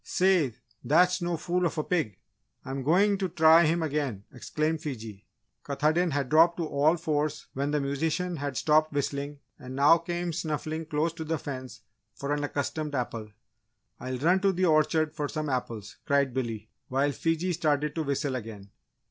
"Say, that's no fool of a pig! I'm going to try him again!" exclaimed Fiji. Katahdin had dropped to all fours when the musician had stopped whistling and now came snuffling close to the fence for an accustomed apple. "I'll run to the orchard for some apples!" cried Billy, while Fiji started to whistle again.